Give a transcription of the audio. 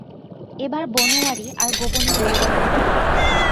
এবার বনোয়ারি আর গোপনে রহিল না।